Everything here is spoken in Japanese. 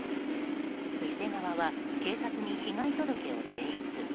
店側は警察に被害届を提出。